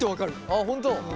ああ本当。